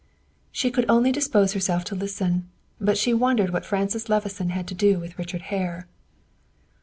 She could only dispose herself to listen; but she wondered what Francis Levison had to do with Richard Hare.